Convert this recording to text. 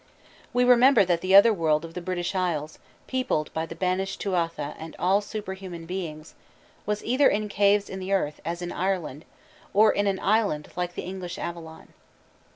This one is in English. We remember that the Otherworld of the British Isles, peopled by the banished Tuatha and all superhuman beings, was either in caves in the earth, as in Ireland, or in an island like the English Avalon.